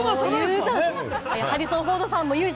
ハリソン・フォードさんもユージ・